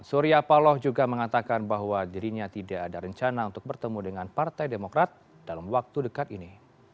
surya paloh juga mengatakan bahwa dirinya tidak ada rencana untuk bertemu dengan partai demokrat dalam waktu dekat ini